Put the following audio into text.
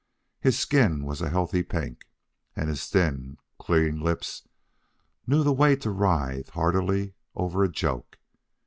His skin was a healthy pink, and his thin, clean lips knew the way to writhe heartily over a joke.